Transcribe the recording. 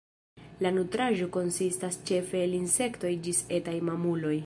La nutraĵo konsistas ĉefe el insektoj ĝis etaj mamuloj.